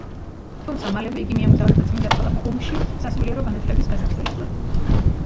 თუმცა მალევე იგი მიემგზავრება წმიდა ქალაქ ყუმში სასულიერო განათლების გასაგრძელებლად.